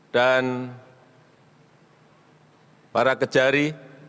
dan para kejari